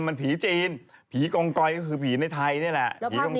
มันเหมือนนั่งหยกนั่งหยก